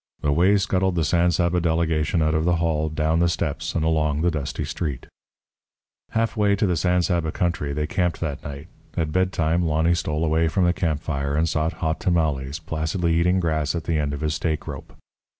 Away scuttled the San Saba delegation out of the hall, down the steps, along the dusty street. Halfway to the San Saba country they camped that night. At bedtime Lonny stole away from the campfire and sought Hot Tamales, placidly eating grass at the end of his stake rope.